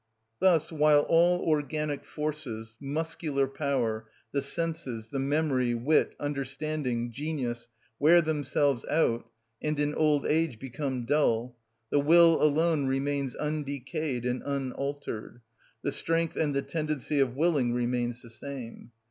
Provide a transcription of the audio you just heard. Thus while all organic forces, muscular power, the senses, the memory, wit, understanding, genius, wear themselves out, and in old age become dull, the will alone remains undecayed and unaltered: the strength and the tendency of willing remains the same.